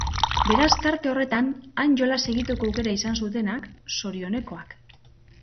Beraz tarte horretan han jolas egiteko aukera izan zutenak, zorionekoak.